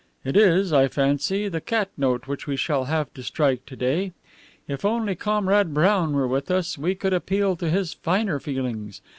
It is, I fancy, the cat note which we shall have to strike to day. If only Comrade Brown were with us, we could appeal to his finer feelings.